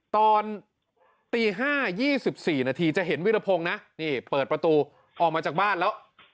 ตอนตี๕๒๔นาทีจะเห็นวิรพงศ์นะนี่เปิดประตูออกมาจากบ้านแล้ว